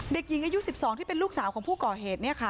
เด็กหญิงอายุ๑๒ที่เป็นลูกสาวของผู้ก่อเหตุ